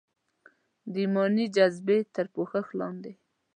د ایماني جذبې تر پوښښ لاندې.